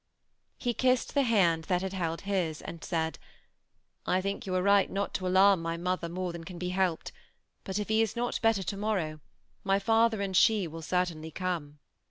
He kissed the hand that had held hb, and said, ^ I think JOU are right not to alarm mj mother more than can be helped ; but if he is not better to morrow, my father and she will certainlj come."